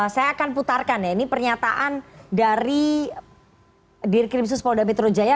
saya akan putarkan ya ini pernyataan dari dirkrimsus polda metro jaya